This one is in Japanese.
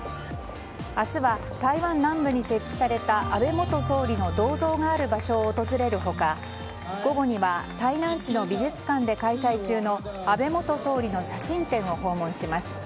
明日は台湾南部に設置された安倍元総理の銅像がある場所を訪れる他、午後には台南市の美術館で開催中の「安倍元総理の写真展」を訪問します。